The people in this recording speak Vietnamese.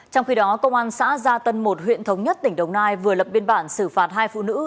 trong khi đó công an xã gia tân một huyện thống nhất tỉnh đồng nai vừa lập biên bản xử phạt hai phụ nữ